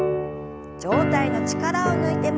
上体の力を抜いて前に。